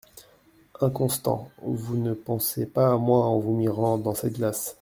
Inconstant ! vous ne pensez pas à moi en vous mirant dans cette glace.